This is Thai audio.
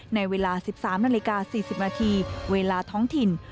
ในเวลา๑๓๔๐นเวลาท้องถิ่น